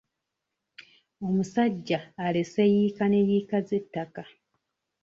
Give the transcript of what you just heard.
Omusajja alese yiika ne yiika z'ettaka.